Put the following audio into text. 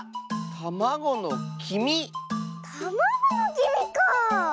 たまごのきみかあ。